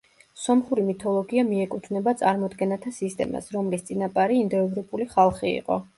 სომხური მითოლოგია მიეკუთვნება წარმოდგენათა სისტემას, რომლის წინაპარი ინდოევროპული ხალხი იყო.